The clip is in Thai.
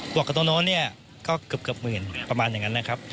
วกกับตัวโน้นเนี่ยก็เกือบหมื่นประมาณอย่างนั้นนะครับ